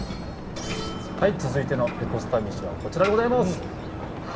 続いてのレコスタ飯はこちらでございます。